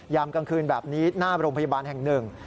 กลางคืนแบบนี้หน้าโรงพยาบาลแห่งหนึ่ง